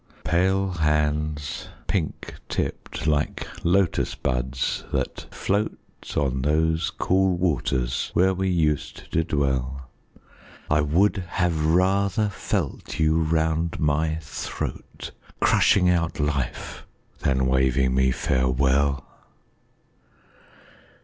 Pale hands, pink tipped, like Lotus buds that float On those cool waters where we used to dwell, I would have rather felt you round my throat, Crushing out life, than waving me farewell!